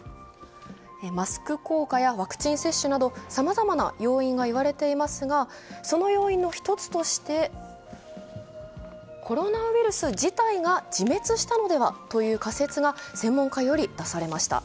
マスク効果やワクチン接種など様々な要因が言われていますが、その要因の１つとして、コロナウイルス自体が自滅したのではという仮説が専門家より出されました。